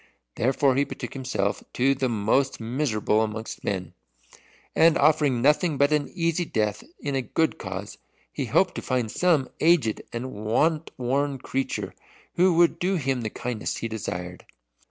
Therefore he betook himself to the most miserable amongst men, and offering nothing but an easy death in a good cause, he hoped to find some aged and want worn creature who would do him the kindness he desired.